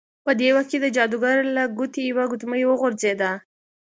په دې وخت کې د جادوګر له ګوتې یوه ګوتمۍ وغورځیده.